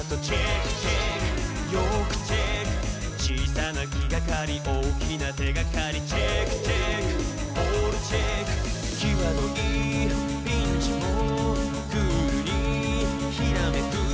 「チェック」「よくチェック」「小さな気がかり大きな手がかり」「チェック」「オールチェック」「きわどいピンチも」「クールにひらめく」